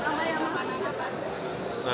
nama yang masuk siapa